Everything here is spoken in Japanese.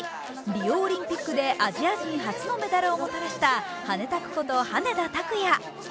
リオオリンピックでアジア人初のメダルをもたらしたハネタクこと羽根田卓也。